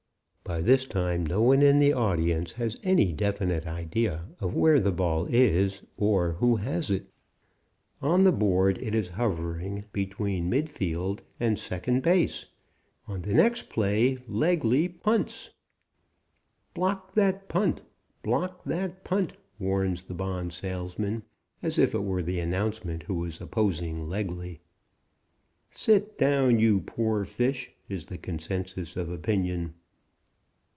By this time no one in the audience has any definite idea of where the ball is or who has it. On the board it is hovering between midfield and second base. "On the next play Legly punts " "Block that punt! Block that punt!" warns the bond salesman, as if it were the announcer who was opposing Legly. "Sit down, you poor fish!" is the consensus of opinion.